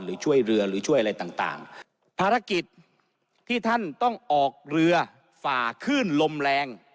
ช่วยเรือหรือช่วยอะไรต่างต่างภารกิจที่ท่านต้องออกเรือฝ่าคลื่นลมแรง